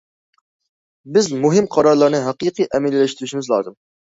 بىز مۇھىم قارارلارنى ھەقىقىي ئەمەلىيلەشتۈرۈشىمىز لازىم.